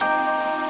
mau belanja apa